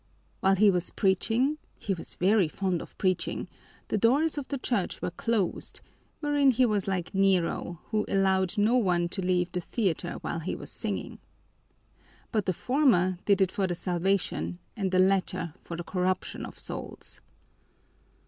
While he was preaching he was very fond of preaching the doors of the church were closed, wherein he was like Nero, who allowed no one to leave the theater while he was singing. But the former did it for the salvation and the latter for the corruption of souls.